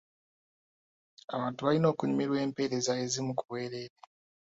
Abantu balina okunyumirwa empereza ezimu ku bwereere.